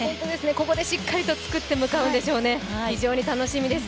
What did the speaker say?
ここでしっかりつくって向かうんでしょうね、非常に楽しみです。